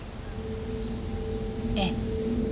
ええ。